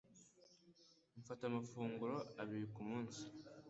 Mfata amafunguro abiri ku munsi.